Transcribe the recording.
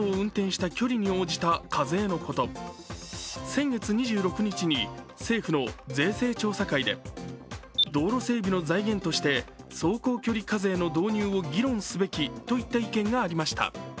先月２６日に政府の税制調査会で道路整備の財源として走行距離課税の導入を議論すべきといった意見がありました。